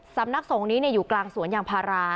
สำนักสงฆ์นี้อยู่กลางสวนยางพารา